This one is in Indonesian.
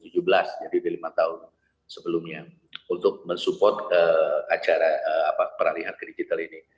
jadi lima tahun sebelumnya untuk mensupport acara peralihan ke digital ini